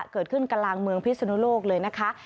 เกิดขึ้นกลางเมืองพิศนุโลกเลยนะคะ